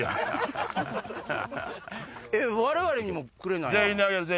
我々にもくれないの？